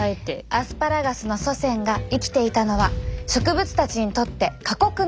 アスパラガスの祖先が生きていたのは植物たちにとって過酷な土地。